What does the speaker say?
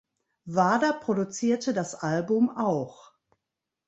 Wader produzierte das Album auch.